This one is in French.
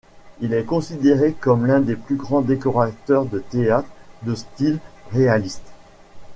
Il est considéré comme l'un des plus grands décorateurs de théâtre, de style réaliste.